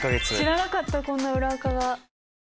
知らなかったこんな裏アカ。